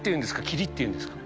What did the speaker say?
霧っていうんですか。